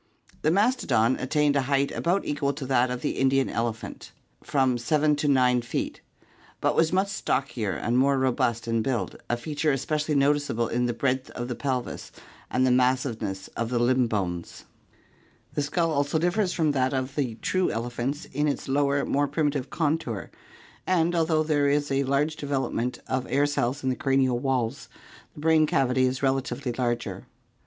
The masto don attained a height about equal to that of the Indian elephant. PROBOSCIDEANS 599 Fig. 206. — Restoration of the American mastodon. (After Knight, from Osborn.) from 7 to 9 feet, but was much stockier and more robust in build, a feature especially noticeable in the breadth of the pelvis and the massiveness of the limb bones. The skull also differs from that of the true elephants in its lower, more primitive contour, and although there is a large development of air cells in the cranial walls, the brain cavity is relatively larger.